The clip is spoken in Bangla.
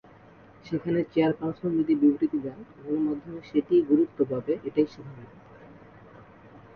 সেখানে চেয়ারপারসন যদি বিবৃতি দেন, গণমাধ্যমে সেটিই গুরুত্ব পাবে, এটাই স্বাভাবিক।